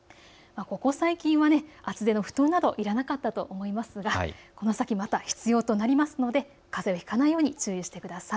ここ最近は厚手の布団などいらなかったと思いますがこの先、また必要となりますのでかぜをひかないように注意してください。